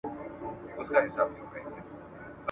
ړوند سړی په یوه ښار کي اوسېدلی !.